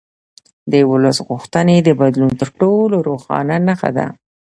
د ولس غوښتنې د بدلون تر ټولو روښانه نښه ده